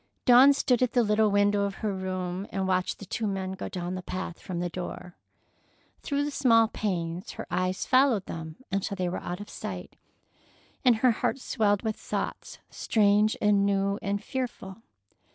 Dawn stood at the little window of her room and watched the two men go down the path from the door. Through the small panes her eyes followed them until they were out of sight, and her heart swelled with thoughts strange and new and fearful.